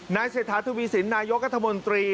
เศรษฐาทวีสินนายกรัฐมนตรี